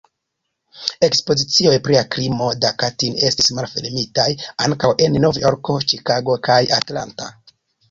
Ekspozicioj pri la krimo de Katin estis malfermitaj ankaŭ en Nov-Jorko, Ĉikago kaj Atlanta.